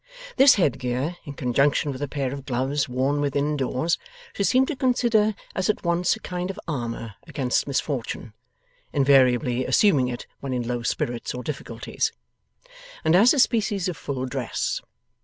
This head gear, in conjunction with a pair of gloves worn within doors, she seemed to consider as at once a kind of armour against misfortune (invariably assuming it when in low spirits or difficulties), and as a species of full dress.